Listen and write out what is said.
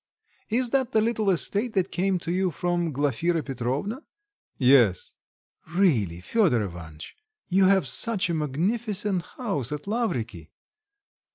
"Is that the little estate that came to you from Glafira Petrovna?" "Yes." "Really, Fedor Ivanitch! You have such a magnificent house at Lavriky."